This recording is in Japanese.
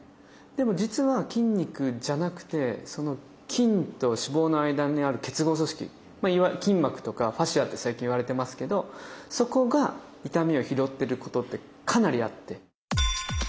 でも実は筋肉じゃなくてその筋と脂肪の間にある結合組織いわゆる筋膜とかファシアって最近いわれてますけどそこが痛みを拾ってることってかなりあって。